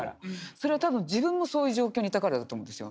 それは多分自分もそういう状況にいたからだと思うんですよ。